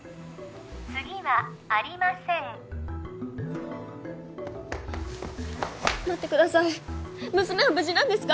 次はありません待ってください娘は無事なんですか？